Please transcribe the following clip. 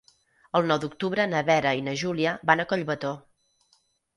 El nou d'octubre na Vera i na Júlia van a Collbató.